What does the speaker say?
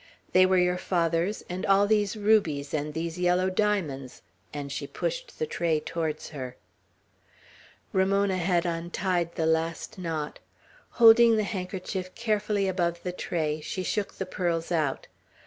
"They were your father's, and all these rubies, and these yellow diamonds;" and she pushed the tray towards her. Ramona had untied the last knot. Holding the handkerchief carefully above the tray, she shook the pearls out.